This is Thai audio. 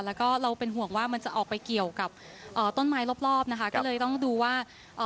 แล้วก็เราเป็นห่วงว่ามันจะออกไปเกี่ยวกับเอ่อต้นไม้รอบรอบนะคะก็เลยต้องดูว่าเอ่อ